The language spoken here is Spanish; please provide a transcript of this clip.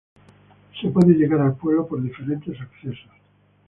Se puede llegar al pueblo por diferentes accesos.